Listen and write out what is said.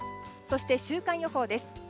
そして、週間予報です。